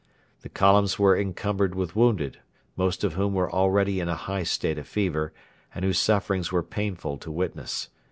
The columns were encumbered with wounded, most of whom were already in a high state of fever, and whose sufferings were painful to witness.